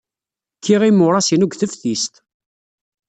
Kkiɣ imuras-inu deg teftist.